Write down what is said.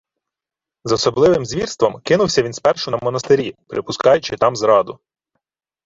З особливим звірством кинувся він спершу на монастирі, припускаючи там зраду